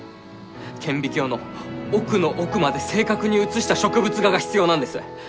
顕微鏡の奥の奥まで正確に写した植物画が必要なんです！